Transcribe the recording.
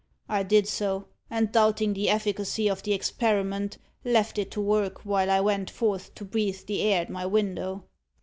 I did so; and doubting the efficacy of the experiment, left it to work, while I went forth to breathe the air at my window.